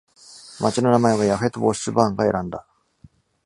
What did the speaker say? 町の名前は、ヤフェト・ウォッシュバーンが選んだ。